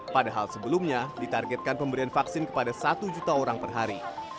padahal sebelumnya ditargetkan pemberian vaksin kepada satu juta orang per hari